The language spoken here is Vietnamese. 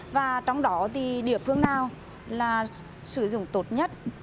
và trong đó thì địa phương nào là sử dụng tốt nhất